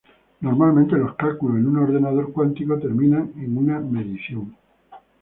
Normalmente los cálculos en un ordenador cuántico terminan en una medición.